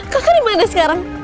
kakak dimana sekarang